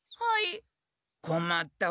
こまったわね。